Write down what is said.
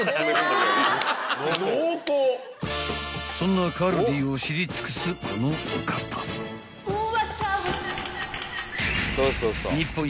［そんなカルディを知り尽くすこのお方］